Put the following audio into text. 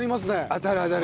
当たる当たる。